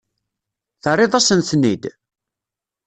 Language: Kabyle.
Terriḍ-asen-ten-id?